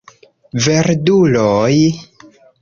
Verduloj!